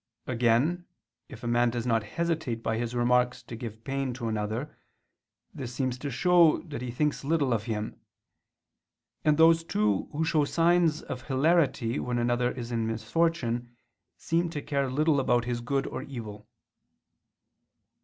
Again if a man does not hesitate by his remarks to give pain to another, this seems to show that he thinks little of him: and those too who show signs of hilarity when another is in misfortune, seem to care little about his good or evil.